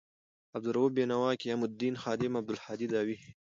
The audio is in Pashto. عبدا لروؤف بینوا، قیام الدین خادم، عبدالهادي داوي